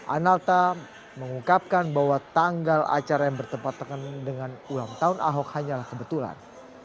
analta mengungkapkan bahwa tanggal acara yang bertempat dengan ulang tahun ahok hanyalah kebetulan